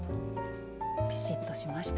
ピシッとしました。